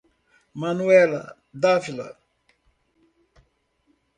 Manuela D'Ávila